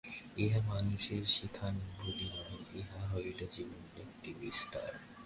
ইহা মানুষের শিখান বুলি নয়, ইহা হইল জীবনের একটি বিস্তার।